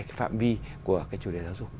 ngoài phạm vi của chủ đề giáo dục